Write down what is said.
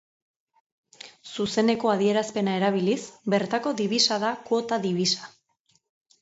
Zuzeneko adierazpena erabiliz, bertako dibisa da kuota dibisa.